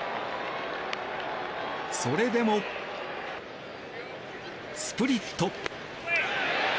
それでも、スプリット。